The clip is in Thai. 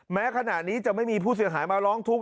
แม้ขณะนี้จะไม่มีผู้เสียหายมาร้องทุกข